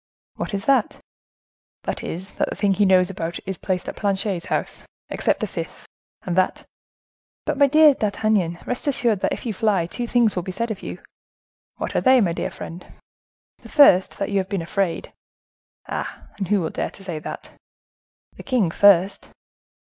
"What is that?" "That is—that the thing he knows about is placed at Planchet's house, except a fifth, and that—" "But, my dear D'Artagnan, rest assured that if you fly, two things will be said of you." "What are they, my dear friend?" "The first, that you have been afraid." "Ah! and who will dare to say that?" "The king first."